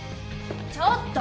・ちょっと！